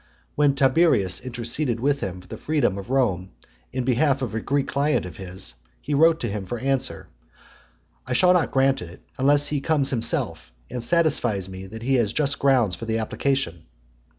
When Tiberius interceded with him for the freedom of Rome in behalf of a Greek client of his, he wrote to him for answer, "I shall not grant it, unless he comes himself, and satisfies me that he has just grounds for the application."